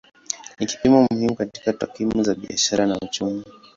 Ni kipimo muhimu katika takwimu za biashara na uchumi.